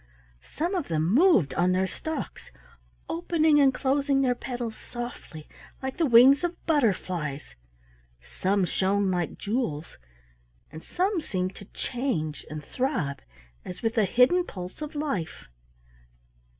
Some of them moved on their stalks, opening and closing their petals softly like the wings of butterflies, some shone like jewels, and some seemed to change and throb as if with a hidden pulse of life.